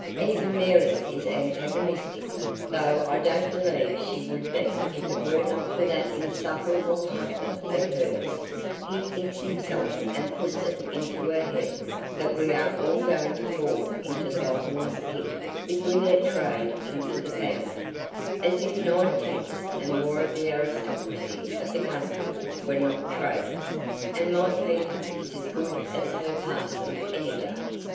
Even Mary is antagonistic, though I don't believe she would be if it were not for that insufferable husband of hers; he thinks himself, and puts it into her head, that we are all going to fall into the bottomless pit if we let trade into the family as if nine tenths and more of the aristocracy of the country were not traders, and my Peter is as good as her parson any day.